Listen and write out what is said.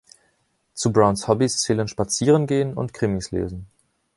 Zu Browns Hobbys zählen Spazierengehen und Krimis lesen.